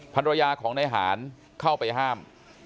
ภรรยาของนายหารเข้าไปห้าม